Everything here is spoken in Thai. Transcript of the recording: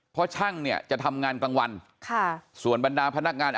เพราะช่างเนี่ยจะทำงานกลางวันค่ะส่วนบรรดาพนักงาน